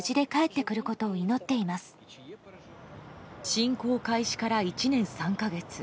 侵攻開始から１年３か月。